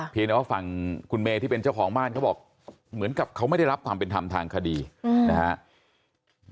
ว่าฝั่งคุณเมย์ที่เป็นเจ้าของบ้านเขาบอกเหมือนกับเขาไม่ได้รับความเป็นธรรมทางคดีนะครับ